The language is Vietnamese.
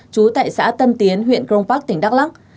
chú tại xã tân tiến huyện grongpak tỉnh đắk lắc